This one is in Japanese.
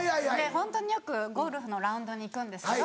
ホントによくゴルフのラウンドに行くんですけど。